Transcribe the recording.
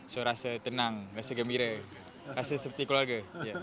jadi rasa tenang rasa gembira rasa seperti keluarga